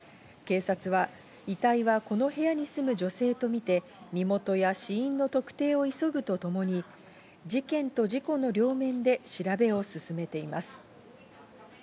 この部屋には３０代の女性が住んでいて、警察は遺体はこの部屋に住む女性とみて、身元や死因の特定を急ぐとともに、事件と事故の両面で調べを進めています。